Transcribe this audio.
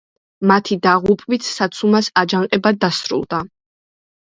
მათი დაღუპვით საცუმას აჯანყება დასრულდა.